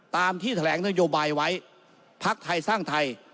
ตามที่แถลงนโยบายไว้พักไทยสร้างไทย